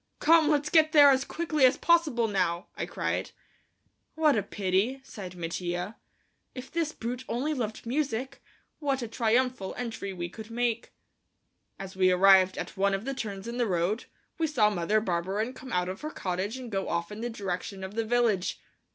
"Come, let's get there as quickly as possible now," I cried. "What a pity," sighed Mattia. "If this brute only loved music, what a triumphal entry we could make." As we arrived at one of the turns in the road, we saw Mother Barberin come out of her cottage and go off in the direction of the village.